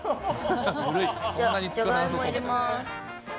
じゃがいも入れます。